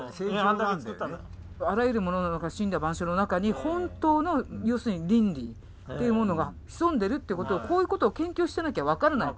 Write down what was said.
あらゆるものの中に森羅万象の中に本当の要するに倫理っていうものが潜んでるっていうことはこういうことを研究してなきゃ分かんない。